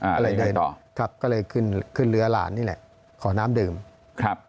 อะไรเลยเนอะครับก็เลยขึ้นขึ้นเรือหลานนี่แหละขอน้ำดื่มครับ